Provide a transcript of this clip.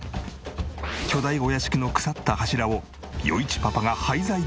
巨大お屋敷の腐った柱を余一パパが廃材で修復！